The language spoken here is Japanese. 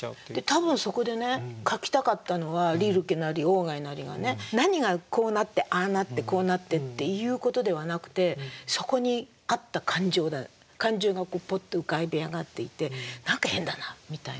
多分そこでね書きたかったのはリルケなり鴎外なりがね何がこうなってああなってこうなってっていうことではなくてそこにあった感情がポッと浮かび上がっていて何か変だなみたいな。